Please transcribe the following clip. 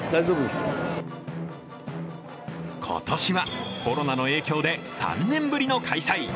今年はコロナの影響で３年ぶりの開催。